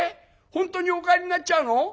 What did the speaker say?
本当にお帰りになっちゃうの？